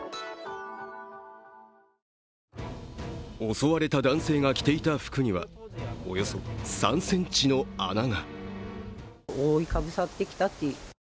襲われた男性が着ていた服にはおよそ３ｃｍの穴が。